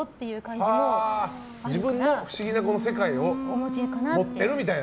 自分の不思議な世界を持ってるみたいな。